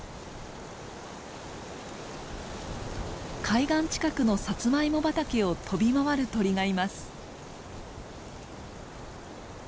海岸近くのサツマイモ畑を飛び回る鳥がいます。